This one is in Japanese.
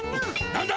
なんだ？